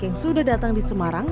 yang sudah datang di semarang